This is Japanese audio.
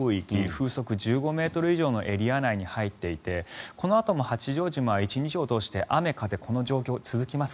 風速１５ｍ以上のエリア内に入っていてこのあとも八丈島は１日を通して雨風、この状況が続きます。